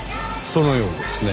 そのようですね。